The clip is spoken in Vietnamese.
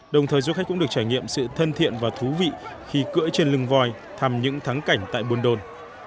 đồng thời du khách cũng được trải nghiệm sự thân thiện và thú vị khi cưỡi trên lưng voi thăm những thắng cảnh tại buôn đôn